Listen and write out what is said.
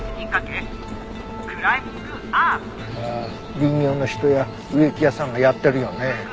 林業の人や植木屋さんがやってるよね。